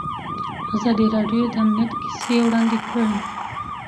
ازادي راډیو د امنیت کیسې وړاندې کړي.